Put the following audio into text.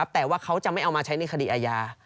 แต่ว่าเขาจะไม่เอามาใช้ในคดีอาญา